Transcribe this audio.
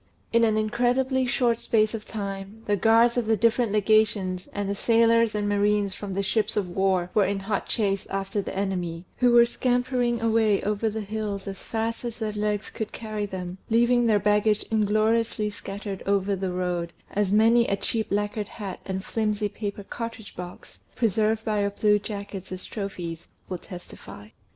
In an incredibly short space of time, the guards of the different Legations and the sailors and marines from the ships of war were in hot chase after the enemy, who were scampering away over the hills as fast as their legs could carry them, leaving their baggage ingloriously scattered over the road, as many a cheap lacquered hat and flimsy paper cartridge box, preserved by our Blue Jackets as trophies, will testify.